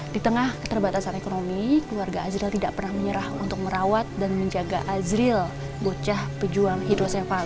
di tengah keterbatasan ekonomi keluarga azril tidak pernah menyerah untuk merawat dan menjaga azril bocah pejuang hidrosefa